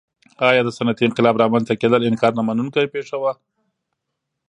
ایا د صنعتي انقلاب رامنځته کېدل انکار نه منونکې پېښه وه.